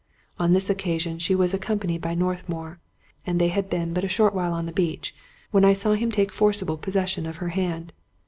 On this occasion she was accom panied by Northmour, and they had been but a short while on the beach, when I saw him take forcible possession of her hand.